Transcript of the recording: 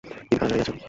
তিনি কারাগারেই আছেন।